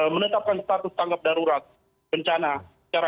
menetapkan status tanggap darurat bencana secara